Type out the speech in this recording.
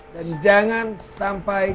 dan jangan sampai